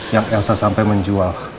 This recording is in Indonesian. yang elsa sampai menjual